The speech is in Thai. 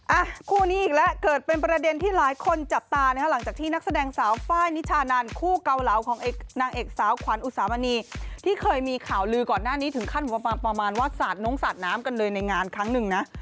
อ่ะคู่นี้อีกแล้วเกิดเป็นประเด็นที่หลายคนจับตานะฮะหลังจากที่นักแสดงสาวไฟล์นิชานันคู่เกาเหลาของนางเอกสาวขวัญอุสามณีที่เคยมีข่าวลือก่อนหน้านี้ถึงขั้นประมาณว่าสาดน้องสาดน้ำกันเลยในงานครั้งหนึ่งนะ